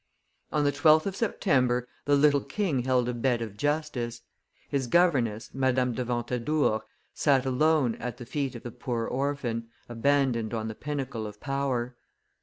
[Illustration: The Bed of Justice 57] On the 12th of September, the little king held a bed of justice; his governess, Madame de Ventadour, sat alone at the feet of the poor orphan, abandoned on the pinnacle of power.